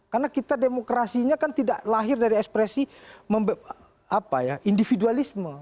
karena kita demokrasinya kan tidak lahir dari ekspresi individualisme